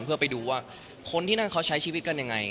เพื่อไปดูว่าคนที่นั่นเขาใช้ชีวิตกันยังไง